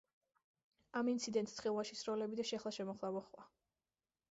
ამ ინციდენტს ცხინვალში სროლები და შეხლა-შემოხლა მოჰყვა.